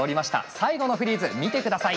最後のフリーズ見て下さい。